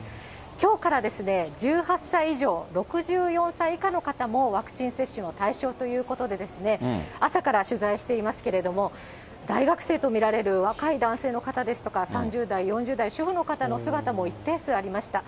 きょうからですね、１８歳以上、６４歳以下の方も、ワクチン接種の対象ということで、朝から取材していますけれども、大学生と見られる若い男性の方ですとか、３０代、４０代、主婦の方の姿も一定数ありました。